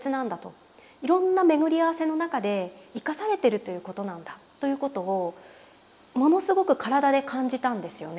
いろんな巡り合わせの中で生かされてるということなんだということをものすごく体で感じたんですよね